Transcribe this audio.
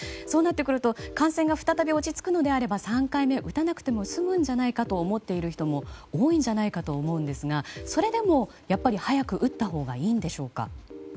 そうなってくると感染が再び落ち着くのであれば３回目を打たなくてもいいのではと思っている人も多いんじゃないかと思うんですがそれでも、早く打ったほうがいいんでしょうか。